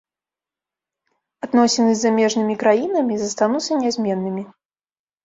Адносіны з замежнымі краінамі застануцца нязменнымі.